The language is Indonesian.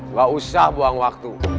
nggak usah buang waktu